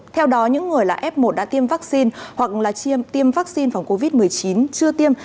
theo đó những người là f một đã tiêm vaccine hoặc là chiêm tiêm vaccine phòng covid một mươi chín chưa tiêm